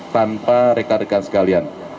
tanpa rekan rekan sekalian